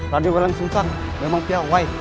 raden walang suncak memang pihak wai